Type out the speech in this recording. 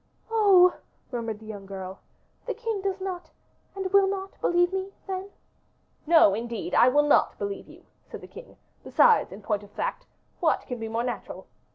"Oh!" murmured the young girl, "the king does not, and will not believe me, then?" "No, indeed, I will not believe you," said the king. "Besides, in point of fact, what can be more natural?